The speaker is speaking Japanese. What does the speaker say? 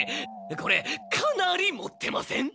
これかなりもってません？